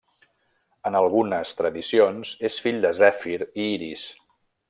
En algunes tradicions és fill de Zèfir i Iris.